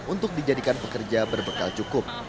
untuk dijadikan pekerja berbekal cukup